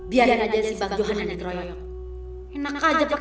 biarin aja sih bang johan yang teroyok